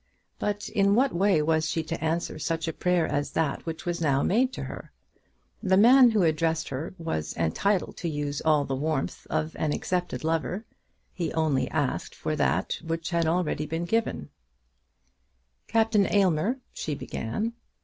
But in what way was she to answer such a prayer as that which was now made to her? The man who addressed her was entitled to use all the warmth of an accepted lover. He only asked for that which had already been given to him. "Captain Aylmer ," she began.